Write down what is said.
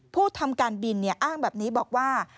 ผู้ทำการบินอ้างแบบนี้บอกว่า